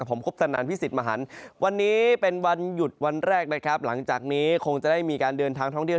ผมคุปตนันพิสิทธิ์มหันวันนี้เป็นวันหยุดวันแรกนะครับหลังจากนี้คงจะได้มีการเดินทางท่องเที่ยว